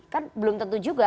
kan belum tentu juga